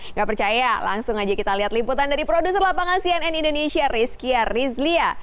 nggak percaya langsung aja kita lihat liputan dari produser lapangan cnn indonesia rizky rizlia